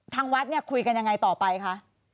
ทางวัดเนี่ยคุยกันยังไงต่อไปคะ